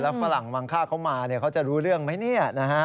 แล้วฝรั่งวางค่าเขามาเขาจะรู้เรื่องไหมเนี่ย